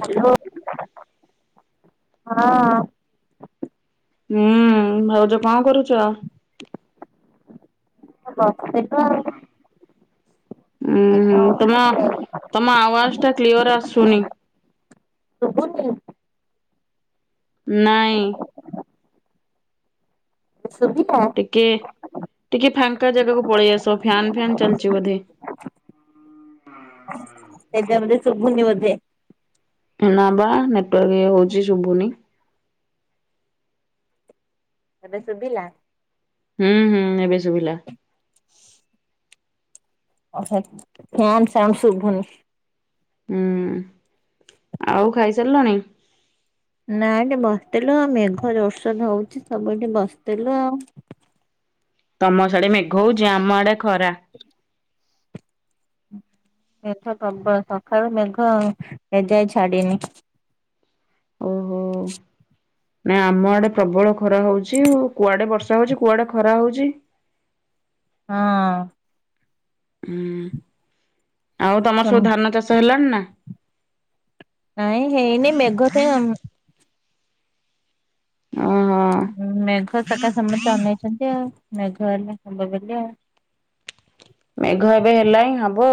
Hello, ହଁ। ହୁଁ ଭାଉଜ କଣ କରୁଛ? [unintelligible] ଉୁଁ ହୁଁ ଆଉ ତମ ତମ ଆୱାଜ ଟା କ୍ଲିୟର ଆସୁନି। ଶୁବୁଛି? ନାଇଁ। ଶୁବିଲା? ଟିକେ ଟିକେ ଫାଙ୍କା ଜାଗାକୁ ପଳେଇ ଆସ, ଫ୍ୟାନ୍ ଫ୍ୟାନ୍ ଚାଲିଛି ବୋଧେ। ସେଇଥିପାଇଁ ବଧେ ସୁୁବୁନି ବଧେ। ନାବା ନେଟୱାର୍କ ଇଏ ହଉଛି ଶୁଭୁନି। ଏବେ ଶୁଭିଲା? ହୁଁ, ହୁଁ ଏବେ ଶୁଭିଲା। ଫ୍ୟାନ ସାଉଣ୍ଡ ଶୁଭୁନି। ହୁଁ ଆଉ ଖାଇସାରିଲଣି? ନା ଏନା ବସିଥିଲୁ ମେଘ ଜୋରସୋର ରେ ହଉଛି ତ ସବୁ ଏଠି ବସିଥିଲୁ। ତମ ସିଆଡେ ମେଘ ହଉଛି ଆମ ଆଡେ ଖରା। ଏଥର ପ୍ରବଳ ସକାଳୁ ମେଘ ଏ ଯାଏ ଛାଡିିନି। ଓହୋ ନାଇ ଆମ ଆଡେ ପ୍ରବଳ ଖରା ହଉଚି ଆଉ। କୁଆଡେ ବର୍ଷା ହଉଛି କୁଆଡେ ଖରା ହଉଛି। ହଁ। ହଁ ଆଉ ତମର ହୁଁ ସବୁ ଧାନ ଚାଷ ହେଲାଣି ନା? ନାଇଁ ହେଇନି ମେଘ ତ ଏ ଆମ ଓହୋ। ମେଘ ସକାସେ ସମସ୍ତେ ଅନେଇଛନ୍ତି ଆଉ ମେଘ ହେଲେ ହବ ବୋଲି ଆଉ। ମେଘ ଏବେ ହେଲାଣି ହବ।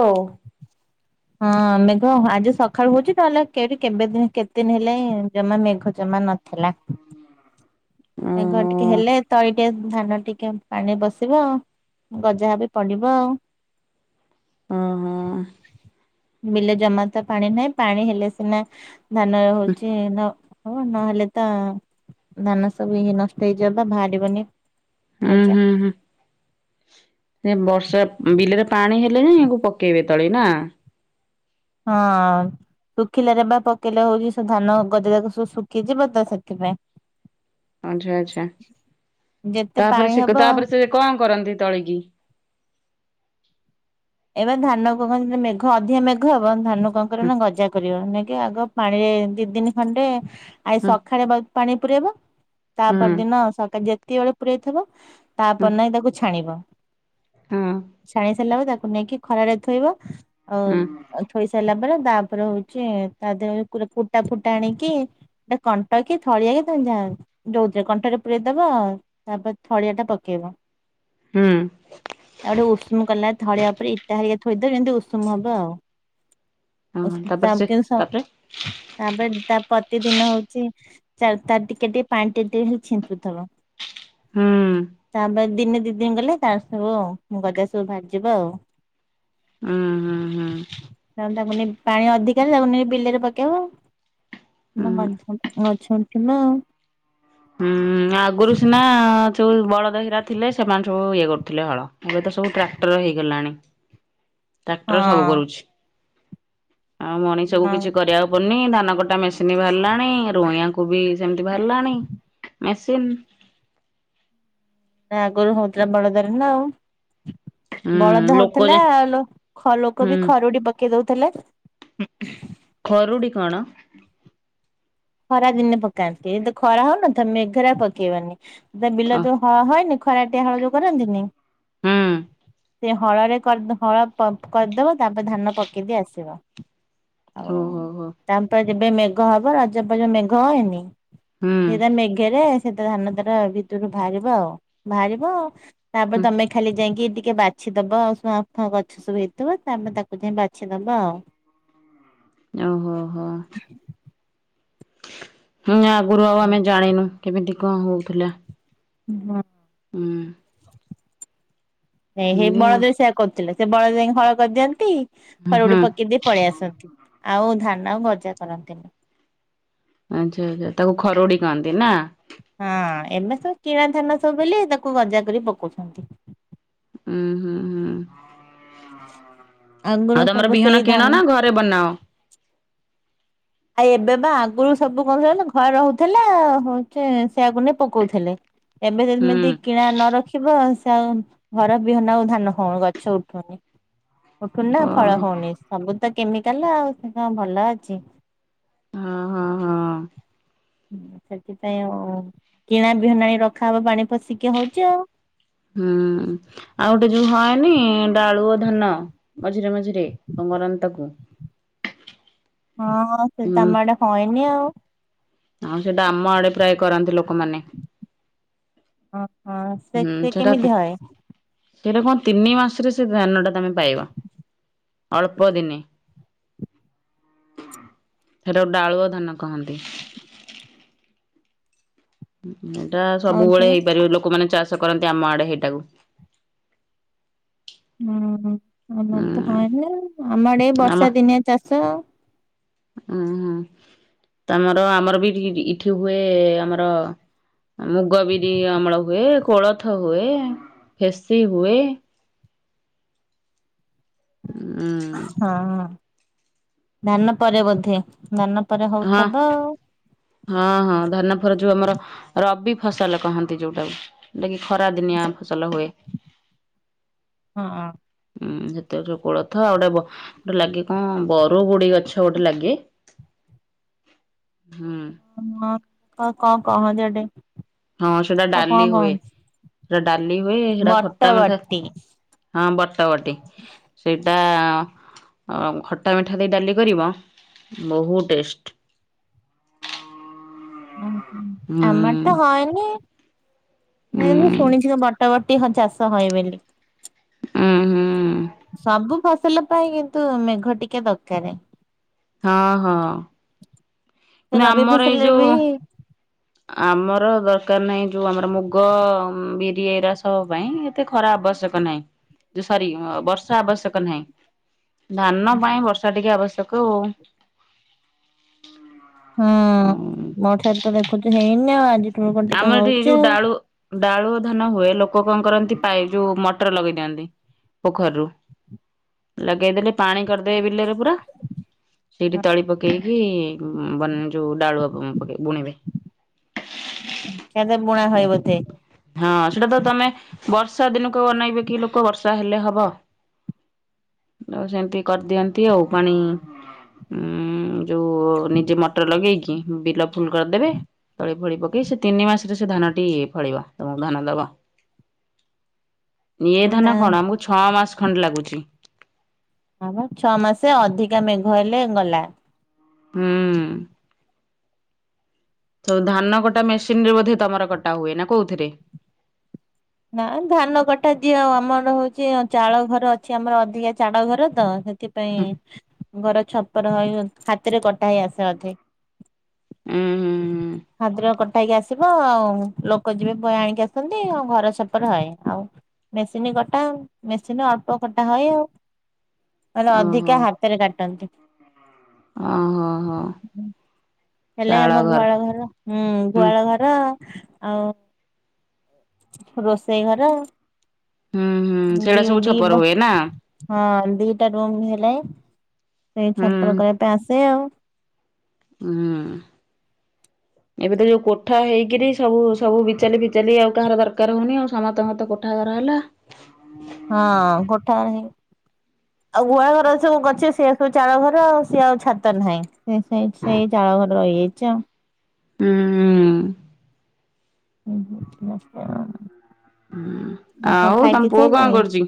ହଁ ମେଘ ହ ଆଜି ସକାଳୁ ହଉଛିି ତାହେଲେ କେରି କେବେ ଦିନ କେତେ ଦିନ ହେଲେ ହି ଜମା ମେଘ ଜମା ନ ଥିଲା। ଘର ଓହୋ ଟିକେ ହେଲେ ତ ଏ ଟିକେ ଧାନ ଟିକେ ପାଣି ବସିବ, ଗଜା ବି ପଡ଼ିବ। ଅ ହଁ ବିଲେ ଜମା ତ ପାଣି ନାହିଁ ପାଣି ହେଲେ ସିନା ଧାନ ଉଁ ହଉଛି ନ ହବ ନହେଲେ ତ ଧାନ ସବୁ ଇଏ ନଷ୍ଟ ହେଇଯିବ ବାହାରିବନି। ମଜା ହୁଁ ହୁଁ ସେ ବର୍ଷା ବିଲରେ ପାଣି ହେଲେ ହିଁ ୟାକୁ ପକେଇବେ ତଳେ ନା? ହଁ ଶୁଖିଲାରେ ବା ପକେଇଲେ ହଉଚି ସେ ଧାନ ଗଜା ଯାକ ସବୁ ଶୁଖିଯିବ ତ ସେଥିପାଇଁ। ଆଚ୍ଛା ଆଚ୍ଛା ଯେତେ ତାପରେ ପାଣି ସେ ହବ ତାପରେ ସେ କଣ କରନ୍ତି ତଳିକି? ଏବେ ଧାନ କଁ ମେଘ ଅଧିକା ମେଘ ହବ ଧାନ କଣ କରିବ ହୁଁ ନା ଗଜା କରିବ ନାଇ କି ଆଗ ପାଣିରେ ଦି ଦିନି ଖଣ୍ଡେ ଆଜି ହୁଁ ସଖାଳେ ପାଣି ପୁରେଇବ ତା ହୁଁ ପରଦିନ ସ ଯେତିକିବେଳେ ପୁରେଇ ଥିବ ହୁଁ ତାପର ଦିନ ଯାଇ ତାକୁ ଛାଣିବ। ହଁ ଛାଣି ସାରିଲା ବେଳେ ତାକୁ ନେଇକି ଖରାରେ ଥୋଇବ ହୁଁ ଆଉ ଥୋଇ ସାରିଲା ପରେ ତାପରେ ହଉଛି ତା ଦେହରେ କୁଟା ଫୁଟା ଆଣିକି ଏଟା କଣ୍ଟ କି ଥଳିଆ କି ତମେ ଯା ଯୋଉଥେରେ କଣ୍ଟାରେ ପୁରେଇଦବ ତାପରେ ଥଳିଆଟା ପକେଇବ। ହୁଁ। ଆଉ ଗୋଟେ ଉଷୁମ କଲା ଥଳିଆ ଉପରେ ଇଟା ହେରିକା ଥୋଇଦେବେ ଯେମିତି ଉଷୁମ ହବ ଆଉ। ଉଷୁ ତାପରେ ସ ତାପରେ ପ୍ରତିଦିନ ହଉଚି ତାର ଟିକେ ଟିକେ ପାଣି ଟିକେ ଟିକେ ଖାଲି ଛିଞ୍ଚୁଥିବ। ହୁଁ। ତାପରେ ଦିନେ ଦି ଦିନି ଗଲେ ତାରେ ସବୁ ଗଜା ସବୁ ବାହାରିଯିବ ଆଉ। ହୁଁ ହୁଁ ହୁଁ ତାପରେ ତାକୁ ନେଇ ପାଣି ଅଧିକା ହେଲେ ତାକୁ ନେଇ ବିଲରେ ପକେଇବ। ମ ହୁଁ ମ ଉଚନା ଥିଲ [inaudible] ଉଁ ଆଗରୁ ସିନା ସବୁ ବଳଦହିରା ଥିଲେ ସେମାନେ ସବୁ ଇଏ କରୁଥିଲେ ହଳ ଏବେ ତ ସବୁ ଟ୍ରାକ୍ଟର ହେଇଗଲାଣି। ଟ୍ରାକ୍ଟର ସବୁ ହଁ କରୁଛି ଆଉ ମଣିଷକୁୁ କିଛି କରିବାକୁ ବନି ଧାନ କଟା ମେସିନ୍ ବି ବାହାରିଲାଣି ରୁଇଁଆକୁ ବି ସେମିତି ବାହାରିଲାଣି। ହ ମେସିନ୍। ତା ଆଗରୁ ହଉଥିଲା ବଳଦରେ ନା ଆଉ। ହୁଁ ବଳଦ ଲୋକ ଯେ ହଉଥିଲା ଆଉ ଲୋକ ହୁଁ ବି ଖରୁଡି ପ କେଇ ଦଉଥେଲେ। ଖରୁଡ଼ି କଣ? ଖରା ଦିନେ ପକାନ୍ତି ଏଦ ଖରା ହଉନଥ ମେଘରେ ଆଉ ପକେଇବନି ବିଲ ଅ ଯେତେବେଳେ ହଳ ହଏନି ଖରାଟିଆ ହଳ ଯୋଉ କରନ୍ତିନି ହୁଁ ସେ ହଳରେ କରିଦ ହଳ କରିଦବ ତାପରେ ଧାନ ପକେଇଦେଇ ଆସିବ। ଆଉ ଓହ ହ ହୋ। ତାପରେ ଯେବେ ମେଘ ହବ ରଜପରେ ଜଉ ମେଘ ହଏନି ହୁଁ ସେଟା ମେଘ ଇଏରେ ସେଟା ଧାନ ତାର ଭିତରୁ ବାହାରିବ ଆଉ ବାହାରିବ ତାପରେ ହୁଁ ତମେ ଖାଲି ଯାଇକି ଟିକେ ବାଛିଦବ ଆଉ ସୁଆଁ ଫୁଆଁ ଗଛ ସବୁ ହେଇଥିବ ତାପରେ ତାକୁ ଯାଇ ବାଛିଦବ ଆଉ। ଓହୋ ହୋ ହୋ। ହୁଁ ଆଗରୁ ଆଉ ଆମେ ଜାଣିନୁ କେମିତି କଣ ହଉଥିଲା। ହଁ ହୁଁ। ହେଇ ହେଇ ଏମିତି ବଳଦ ଆଉ ବି ସେଇଆ କରୁଥିଲେ ସେ ବଳଦ ଯାଇକି ହଳ କରିଦିଅନ୍ତି ହୁଁ ଖରୁଡି ପକେଇ ଦେଇ ପଳେଇ ଆସନ୍ତି ଆଉ ଧାନ ଗଜା କରନ୍ତିନି। ଆଚ୍ଛା ଆଚ୍ଛା ତାକୁ ଖରୁଡି କହନ୍ତି ନା? ହଁ ଏବେ ସବୁ କିଣା ଧାନ ସବୁ ବୋଲି ତାକୁ ଗଜା କରି ପକଉଛନ୍ତି। ହୁଁ ହୁଁ। ଆଗରୁ ଆଉ ତମର ସବୁ ସେଇ ବିହଣ ଧାନ କିଣନା ଘରେ ବନାଅ। ଆଉ ଏବେ ବା ଆଗରୁ ସବୁ କଣ ହଉଥିଲାନା ଘର ହଉଥିଲା ହଉଛି ସେଇଆକୁ ନେଇ ପକଉଥିଲେ। ଏବେ ହୁଁ ଯେମିତି କିଣା ନ ରଖିବ ସେ ଆଉ ଘର ବିହନ ଆଉ ଧାନ ହଉନି ଗଛ ଉଠୁନି ଉଠୁନି ନା ଫଳ ଓହୋ ହଉନି। ସବୁ ତ କେମିକାଲ ଆଉ ସେ କଣ ଭଲ ଅଛି? ହଁ, ହଁ, ହଁ,। ସେଥିପାଇଁ ଆଉ କିଣା ବିହନ ଆଣି ରଖା ହବ ପାଣି ପଷିକି ହଉଛି ଆଉ। ହୁଁ ଆଉ ଗୋଟେ ଯୋଉ ହଏନି ଡାଳୁଅ ଧାନ? ମଝିରେ ମଝିରେ ଅ ମରନ୍ ତାକୁ। ହଁ, ହଁ ହୁଁ ସେଟା ଆମ ଆଡ଼େ ହଏନି ଆଉ। ଆଉ ସେଟା ଆମ ଆଡ଼େ ପ୍ରାୟ କରନ୍ତି ଲୋକମାନେ। ଓହୋ ସେ ସେ କେମିତି ହଏ? ସେଟା କଁ ତିନି ମାସରେ ସେ ଧାନଟା ତମେ ପାଇବା। ଅଳ୍ପ ଦିନି। ସେଟାକୁ ଡାଳୁଅ ଧାନ କହନ୍ତି। ଉଁ ଏଟା ହଉ ତ ସବୁବେଳେ ହେଇପାରିବ ଲୋକମାନେ ଚାଷ କରନ୍ତି ଆମ ଆଡ଼େ ହେଟାକୁ। ହୁଁ ଆମର ହୁଁ ତ ହଏନି ଆମର ଆଡ଼େ ଏଇ ବର୍ଷା ଦିନିଆ ଚାଷ। ଆହା। ତମର ଆମର ବି ଇଠି କିଠି ଇଠି ହୁଏ ଆମର ମୁଗ ବିରି, ଅମଳ ହୁଏ। କୋଳଥ ହୁଏ। ଫେସି ହୁଏ। ହୁଁ। ହଁ, ହଁ ଧାନ ପରେ ବୋଧେ ଧାନ ପରେ ହଁ ହଉଥିବ ଆଉ। ହଁ, ହଁ ଧାନ ଫରେ ଯୋଉ ଆମର ରବି ଫସଲ କହନ୍ତି ଯୋଉଟାକୁ ଟାକି ଖରା ଦିନିଆ ଫସଲ ହୁଏ। ହଁଅଁ। ହୁଁ, ସେତେରେ କୋଳଥ ଆଉ କେ ବ ଟେ ଲାଗେ କଁ ବରୁଗୁଡି଼ ଗଛ ଗୋଟେ ଲାଗେ ହୁଁ। ହଁ ହଁ କ କଁ କହନ୍ତି ଅଟେ ହଁ ସେଟା ଡାଲି ହୁଏ ସେଟା ଡାଲି ହୁଏ ସେଟା ବଟ ଖଟା ମିଠା ବଟି। ହଁ ବଟ ବଟି। ସେଇଟା ଅ ଖଟା ମିଠା ଦେଇ ଡାଲି କରିବ। ବହୁ ଟେଷ୍ଟ। ଉଁ ହୁଁ ହୁଁ ଆମ ଆଡ଼େ ତ ହଏନି। ଉଁ ନାଇଁ ମୁଁ ଶୁଣିଛି କ ବଟ ବଟି ହଁ ଚାଷ ହଏ ବୋଲି। ଉଁ ହୁଁ ସବୁ ଫସଲ ପାଇଁ କିନ୍ତୁ ମେଘ ଟିକେ ଦରକାରେ। ହଁ, ହଁ। ସେ ନୁ ରବି ଆମର ଏଇ ଫସଲରେ ବି ଯୋଉ ଆମର ଦରକାର ନାହିଁ ଯୋଉ ଆମର ମୁଗ, ବିରି ଏଇରା ସବୁ ପାଇଁ ତେ ଖରା ଆବଶ୍ୟକ ନାହିଁ ଯେ ସରି ବର୍ଷା ଆବଶ୍ୟକ ନାହିଁ। ଧାନ ପାଇଁ ବର୍ଷା ଟିକେ ଆବଶ୍ୟକ ଉ। ହୁଁ ମୋ ଠାରେ ତ ଦେଖୁଚୁ ହେଇନି ଆଉ ଆଜିଠୁ ମେଘ ଟିକେ ଆମର ଏଠି ହଉଚି ଯୋଉ ଆଉ? ଡାଳୁ ଡାଳୁଅ ଧାନ ହୁଏ ଲୋକ କଁ କରନ୍ତି ପାଇ ଯୋଉ ମଟର ଲଗେଇ ଦିଅନ୍ତି। ପୋଖରୀରୁ ଲଗେଇଦେଲେ ପାଣି କରିଦେଇ ବିଲରେ ପୁରା ହେଇଠି ହଁ। ତଳି ପକେଇକି ବନ୍ ଯୋଉ ଡାଳୁଅ ପ ପକେଇ ବୁଣିବେ। ହେ ଆତେ ବୁଣା ହଏ ବୋଧେ। ହଁ ସେଟା ତ ତମେ ବର୍ଷା ଦିନକୁ ଆଉ ଅନାଇବେ କି ଲୋକ ବର୍ଷା ହେଲେ ହବ। ଆଉ ସେମିତି କରିଦିଅନ୍ତି ଆଉ ପାଣି ଉଁ ଯୋଉ ନିଜେ ମଟର ଲଗେଇକି ବିଲ ଫୁଲ୍ କରିଦେବେ ତଳି ଫଳି ପ କି ସେ ତିନି ମାସରେ ସେ ଧାନଟି ଫଳିବ ତମୁ ଧାନ ଦବ। ଇଏ ଧାନ କଣ ଆମୁକୁ ଛଅ ମାସ ଖଣ୍ଡେ ଲାଗୁଚି। ହଁ ପା ଛଅ ମାସେ ଅଧିକା ମେଘ ହେଲେ ଗଲା। ହୁଁ। ସବୁ ଧାନ କଟା ମେସିନ୍ ରେ ବୋଧେ ତମର କଟା ହୁଏ ନା କୋଉଥିରେ? ନାଁ ଧାନ କଟା ଯିଏ ଆଉ ଆମର ହଉଚି ଚାଳ ଘର ଅଛି ଆମର ଅଧିକା ଚାଳ ଘର ତ ସେ ଥିପାଇଁ ହୁଁ ଘର ଛପର ହଏ ହାତରେ କଟା ହେଇ ଆସେ ଅଧେ। ଉଁ ହୁଁ ହାଦ୍ରକ ଥାଇକି ଆସିବ ଆଉ ଲୋକ ଯିବେ ବହେ ଆଣିକି ଆସନ୍ତି ଆଉ ଘର ଛପର ହଏ ଆଉ ମେସିନ୍ କଟା ମେସିନ୍ ଅଳ୍ପ କଟା ହଏ ଆଉ ଅଲେ ଓହୋ ଅଧିକା ହାତରେ କାଟନ୍ତି। ଓ ହୋ ହୋ। ହେଲେ ଆମ ଗୁହାଳ ଘର ହୁଁ ଗୁହାଳ ଘର ଆଉ ରୋଷେଇ ଘର ହୁଁ ହୁଁ ଦି ସେଇଟା ସବୁ ଦି ଛପର ହୁଏ ନା। ହଁ ଦିଟା ରୁମ୍ ହେଲେ ସେଇ ହୁଁ ଛପର କରିବା ପାଇଁ ଆସେ ଆଉ। ହଁ। ଏବେ ତ ଯୋଉ କୋଠା ହେଇକିରି ସବୁ ସବୁ ବିଚାଲି ଫିଚାଲି ଆଉ କାହାର ଦରକାର ହଉନି ଆଉ ସମସ୍ତଙ୍କ ତ କୋଠା ଘର ହେଲା। ହଁ କୋଠା ଘର ହେ ଆଉ ଗୁହାଳ ଘର ସବୁ ଗଛ ସେୟା ସବୁ ଚାଳ ଘର ଆଉ ସିଏ ଆଉ ଛାତ ନୁହେଁ। ସେ ସେଇ ସେଇ ଚାଳ ଘର ରହିଯାଇଛି ଆଉ। ହୁଁ। ହୁଁ ହୁଁ ହ। ହଁ କଣ ଆଉ ଖାଇପିଇ ତମ ପୁଅ ସାଇଲଣି? କଣ କରୁଛି?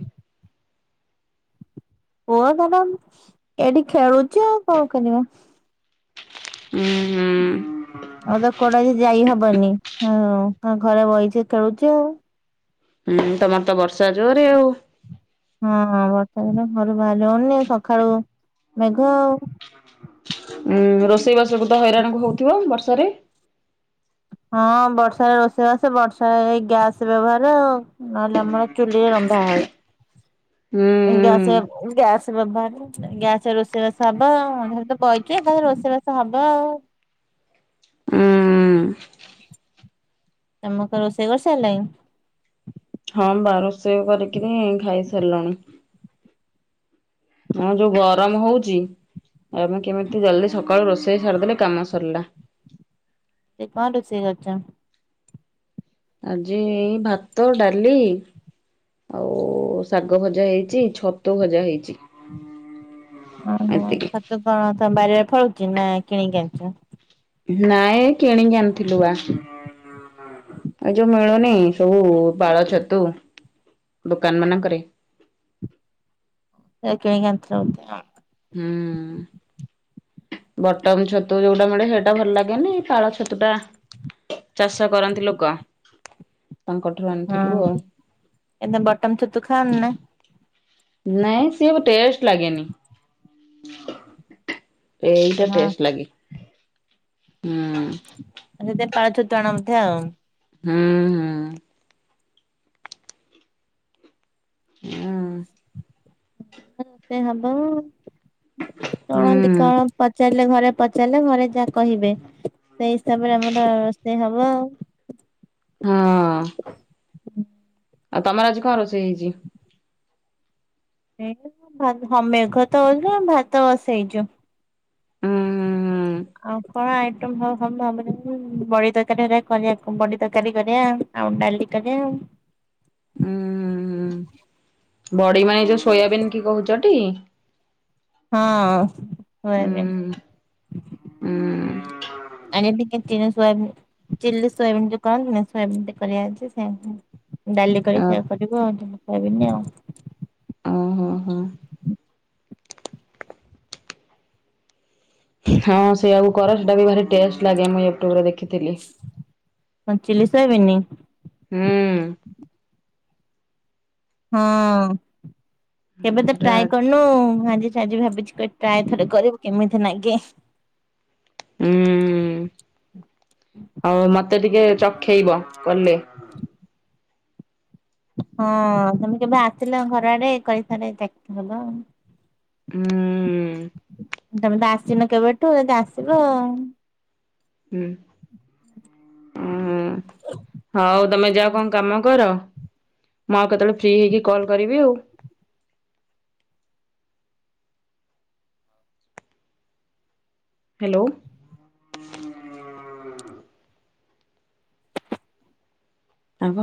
ପୁଅ ତାର ଏଠି ଖେଳୁଛି ଆଉ କଣ କରିବା। ହୁଁ ହୁଁ। ଆଉ ତ କୋଉଡା ଯାଇ ହବନି ହୁଁ ଘରେ ବହିଛି ଖେଳୁଛି ଆଉ। ହୁଁ ତମର ତ ବର୍ଷା ଜୋରରେ ଆଉ। ହଁ ବର୍ଷା ଦିନ ଘରୁ ବାହାରି ହଉନି ସକାଳୁ ମେଘ ଆଉ। ଉଁ ରୋଷେଇବାସ କୁତ ହଇରାଣ କୁ ହଉଥିବ ବର୍ଷାରେ? ହଁ ବର୍ଷାାରେ ରୋଷେଇବାସ ବର୍ଷାରେ ଗ୍ୟାସ ବ୍ୟବହାର ଆଉ। ନହେଲେ ଆମର ଚୁଲିରେ ରନ୍ଧା ହୁଏ ହୁଁ ଗ୍ୟାସ ଗ୍ୟାସ ବ୍ୟବହାର ଗ୍ୟାସରେ ରୋଷେଇବାସ ହବ ଆଉ ଅନ୍ଧାରେ ତ ବଇଚୁ କଣ ରୋଷେଇବାସ ହବ ଆଉ। ଉଁ ତମେ କଣ ରୋଷେଇ କରି ସାରିଲଣି? ହଁ ବା ରୋଷେଇ କରିକିରି ଖାଇସାରିଲାଣି। ହଁ ଯୋଉ ଗରମ ହଉଛିି ଆଉ ଆମେ କେମିତି ଜଲଦି ସକାଳୁ ରୋଷେଇ ସାରିଦେଲେ କାମ ସରିଲା। ସେ କଣ ରୁଷେଇ କରିଛ? ଆଜି ଏଇ ଭାତ, ଡାଲି ଆଉ ଶାଗ ଭଜା ହେଇଛି ଛତୁ ଭଜା ହେଇଛି। ଓହୋ ଏତିକି। ଛତୁ କଣ ତମ ବାରିଆଡେ ଫଳୁଛି ନା କିଣିକି ଆଣିଛ? ନାଇଁ କିଣିକି ଆଣିଥିଲୁ ବା। ଏ ଯୋଉ ମିଳୁନି ସବୁ ପାଳ ଛତୁ ଦୋକାନ ମାନଙ୍କରେ ଏ କିନିକି କୁ ଆଣିଥିଲୁ ଏମିତି ଆଉ। ହୁଁ। ବଟମ ଛତୁ ଯୋଉଟା ମିଳେ ସେଇଟା ଭଲ ଲାଗେନି ପାଳ ଛତୁ ଟା ଚାଷ କରନ୍ତି ଲୋକ ତାଙ୍କଠାରୁ ଆନି ହଁ କିନ୍ତୁ ବଟନ ଛତୁ ଖାଅନି ନା? ନାଇଁ ସିଏ ଟେଷ୍ଟ ଲାଗେନି। ଏଇଟା ହଁ ଟେଷ୍ଟ ଲାଗି। ହୁଁ। ଆ ସେତେ ପାଳ ଛତୁ ଆଣନ୍ତି ଆଉ। ହୁଁ। ହୁଁ ହଁ। ରୋଷେଇ ହବ ଚଳନ୍ତି ହୁଁ। କଣ? ପଚାରିଲେ ଘରେ ପଚାରିଲେ ଘରେ ଯାହା କହିବେ ସେଇ ହିସାବରେ ଆମର ରୋଷେଇ ହବ ଆଉ। ହଁ। ଆଉ ତମର ଆଜି କଣ ରୋଷେଇ ହେଇଛି? ହଁ ମେଘ ତ ହଉଚି ଭାତ ବସେଇଛୁ। ହୁଁ ହୁଁ ଆଉ କଣ ଆଇଟମ ହବ [unintelligible] ବଡି ତରକାରୀ କରିବା କରିବା ବଡି ତରକାରୀ କରିବା। ଆଉ ଡ଼ାଲି କରିବା ଆଉ। ଉଁ ହୁଁ ହୁଁ ହୁଁ ବଡି ମାନେ ଏଇ ଯୋଉ ସୋୟାବିନ୍ କି କହୁଚ ଟି? ହଁ ଉଁ ସୋୟାବିନ। ଉଁ ଅନ ଟିକେ ତିଣ ସୋୟାବିନ। ଚିଲ୍ଲି ସୋୟାବିନ୍ ଯୋଉ କହନ୍ତିନି ନା ସୋୟାବିନ୍ ଟେ କରିବା ଆଜି ସେମ ଡାଲି କରି ଅ ସେଇଆ କରିବୁ ଆଉ ସୋୟାବିନ ଆଉ। ଓ ହୋ ହୋ। ହଁ ସେଇଆକୁ କର ସେଇଟା ବି ଭାରି ଟେଷ୍ଟ ଲାଗେ ମୁଁ ୟୁଟ୍ୟୁବରେ ଦେଖିଥିଲି। କଣ ଚିଲି ସୋୟାବିନି। ହୁଁ। ହଁ କେବେ ତ ସେଟା ଟ୍ରାଏ କରନୁ ଆଜି ଆଜି ଭାବିଚି କ ଟ୍ରାଏ ଥରେ କରିବ କେମିତି ନାଗେ? ହୁଁ ହଉ ମତେ ଟିକେ ଚଖେଇବ କଲେ। ହଁ ତମେ କେବେ ଆସିଲେ ଘର ଆଡେ କରିସାରି ଦେଖେଇବ। ହୁଁ। ତମେ ତ ଆସିନ କେବେଠୁ ଯଦି ଆସିବ ହୁଁ ଅ ହଁ ହଉ। ତମେ ଯାଅ କଣ କାମ କର। ମୁଁ ଆଉ କେତେବେଳେ ଫ୍ରି ହେଇକି କଲ୍ କରିବି ଆଉ। ହାଲୋ। ଆଉ କଣ